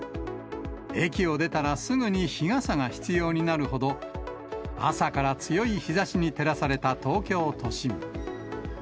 駅を出たらすぐに日傘が必要になるほど、朝から強い日ざしに照らされた東京都心。